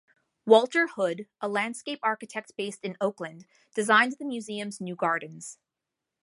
Walter Hood, a landscape architect based in Oakland, designed the museum's new gardens.